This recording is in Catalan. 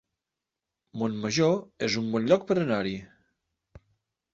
Montmajor es un bon lloc per anar-hi